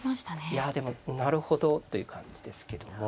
いやでもなるほどという感じですけども。